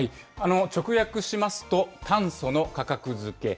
直訳しますと、炭素の価格付け。